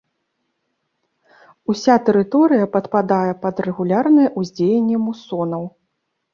Уся тэрыторыя падпадае пад рэгулярнае ўздзеянне мусонаў.